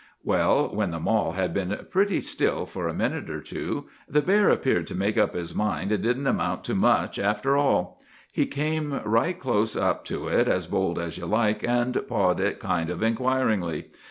"'Well, when the mall had been pretty still for a minute or two, the bear appeared to make up his mind it didn't amount to much after all; he came right close up to it as bold as you like, and pawed it kind of inquiringly.